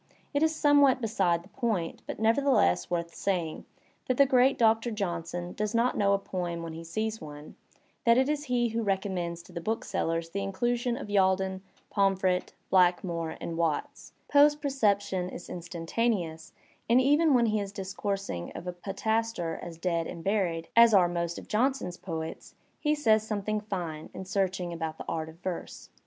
It is somewhat beside the poiat, but nevertheless worth saying, that the great Doctor Johnson does not know a poem when he sees one, that it is he who recommends to the booksellers the inclusion of Yalden, Pomfret, Blackmore and Watts; Poe's perception is instantaneous, and even when he is discoursing of a poetaster as dead and buried, as are most of Johnson's poets," he says something fine and searching about the art of verse.